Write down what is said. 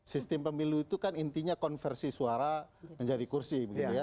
sistem pemilu itu kan intinya konversi suara menjadi kursi